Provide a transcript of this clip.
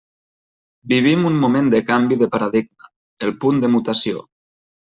Vivim un moment de canvi de paradigma, el punt de mutació.